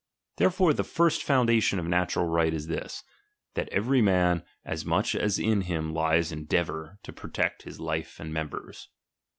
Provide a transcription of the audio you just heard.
Therefore the first ^^H foundation of natural right is this, that every man ^^| as much as in him lies endeavour to protect his ^^| /ije and members.